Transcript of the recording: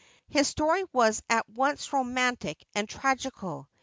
His story was at once romantic and tragical.